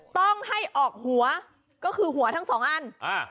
ต้องให้ออกหัวก็คือหัวทั้งสองอัน